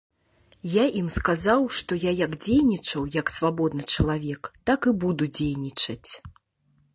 Я ім сказаў, што я як дзейнічаў як свабодны чалавек, так і буду дзейнічаць.